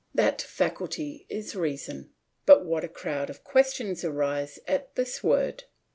That faculty is reason. But what a crowd of questions arise at this word.